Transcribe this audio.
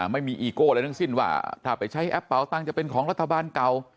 ไม่มีอีโก้อะไรทั้งสิ้นว่าถ้าไปใช้แอปเป่าตังค์จะเป็นของรัฐบาลเก่า